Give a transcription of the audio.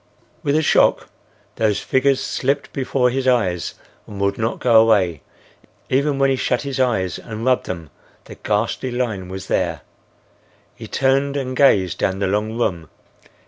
With a shock those figures slipped before his eyes and would not go away. Even when he shut his eyes and rubbed them the ghastly line was there. He turned and gazed down the long room.